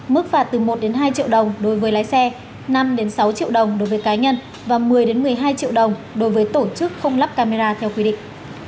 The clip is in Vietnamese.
mức phạt từ một hai triệu đồng đối với lái xe năm sáu triệu đồng đối với cá nhân và một mươi một mươi hai triệu đồng đối với tổ chức không lắp camera theo quy định